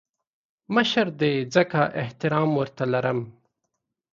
مشر دی ځکه احترام ورته لرم